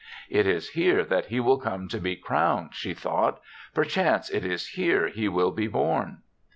'It is here that he will come to be crowned,* she thought ;* perchance it is here he will be born.